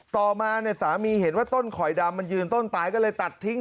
ต่อมาเนี่ยสามีเห็นว่าต้นข่อยดำมันยืนต้นตายก็เลยตัดทิ้ง